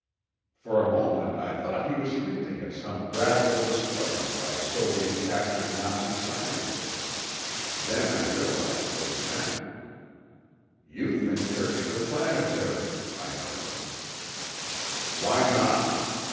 For a moment, I thought he was hunting at some radical discovery by Soviet—captured Nazi scientists. Then I realized what he meant. "You think they're interplanetary," I murmured. "Why not?"